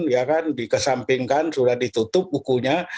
ya kan dikesampingkan sudah ditutup bukunya